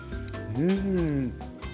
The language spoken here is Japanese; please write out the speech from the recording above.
うん。